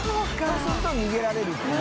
そうすると逃げられるっていう。